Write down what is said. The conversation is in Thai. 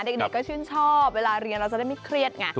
เด็กก็ชื่นชอบเวลาเรียนเราจะได้ไม่เครียดไง